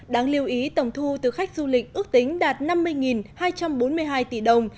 đáng lưu ý tổng thu từ khách du lịch ước tính đạt năm mươi hai trăm bốn mươi hai tỷ đồng